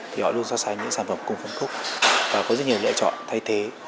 thì họ luôn so sánh những sản phẩm cùng phong phúc và có rất nhiều lựa chọn thay thế